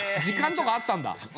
時間とかあったんだ。